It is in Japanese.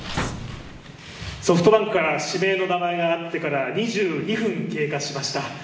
ソフトバンクから指名の名前が挙がってから２２分経過しました。